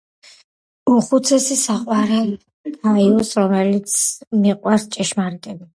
უხუცესი - საყვარელ გაიუსს, რომელიც მიყვარს ჭეშმარიტებით.